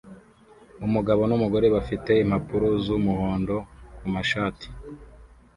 Umugabo numugore bafite impapuro zumuhondo kumashati